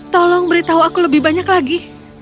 tolong beritahu aku lebih banyak lagi